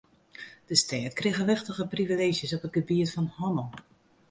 De stêd krige wichtige privileezjes op it gebiet fan hannel.